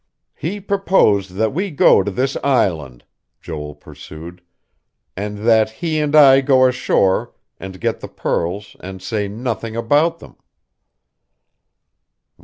"He proposed that we go to this island," Joel pursued, "and that he and I go ashore and get the pearls and say nothing about them."